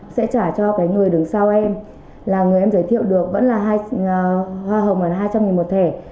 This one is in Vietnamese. sẽ trả cho cái người đứng sau em là người em giới thiệu được vẫn là hai hoa hồng là hai trăm linh một thẻ